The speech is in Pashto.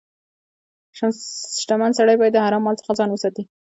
• شتمن سړی باید د حرام مال څخه ځان وساتي.